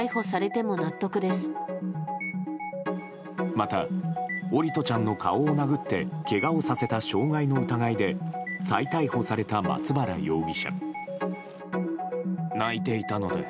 また桜利斗ちゃんの顔を殴ってけがをさせた傷害の疑いで再逮捕された松原容疑者。